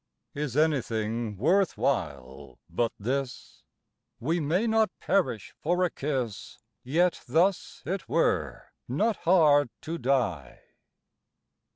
Is anything worth while but this? We may not perish for a kiss, Yet thus it were not hard to die!